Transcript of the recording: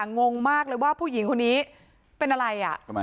งงมากเลยว่าผู้หญิงคนนี้เป็นอะไร